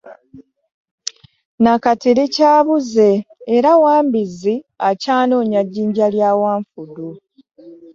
Na kati likyabuze era Wambizzi akyanoonya jjinja lya Wanfudu.